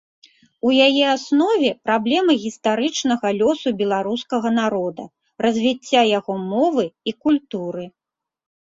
У яе аснове праблема гістарычнага лёсу беларускага народа, развіцця яго мовы і культуры.